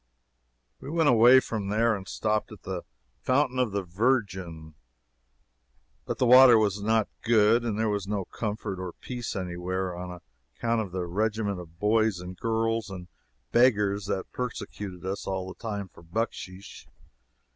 We went away from there and stopped at the Fountain of the Virgin. But the water was not good, and there was no comfort or peace any where, on account of the regiment of boys and girls and beggars that persecuted us all the time for bucksheesh.